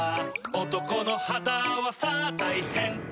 「男の肌はさぁ大変」